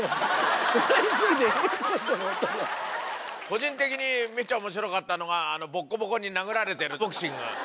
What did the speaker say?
個人的にめっちゃ面白かったのがあのボッコボコに殴られてるボクシング。